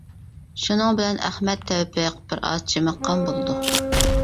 شۇنىڭ بىلەن ئەخمەت تەۋپىق بىر ئاز جىمىققان بولىدۇ.